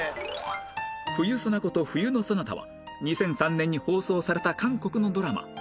冬ソナこと『冬のソナタ』は２００３年に放送された韓国のドラマ